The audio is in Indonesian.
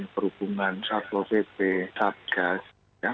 perhubungan satlo pp satgas